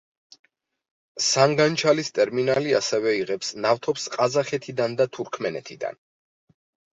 სანგაჩალის ტერმინალი ასევე იღებს ნავთობს ყაზახეთიდან და თურქმენეთიდან.